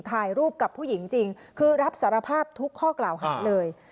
ถ่ายรูปกับผู้หญิงจริงคือรับสารภาพทุกข้อกล่าวหาเลย